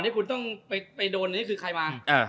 ที่คุณต้องไปโดนนี้คือใครมา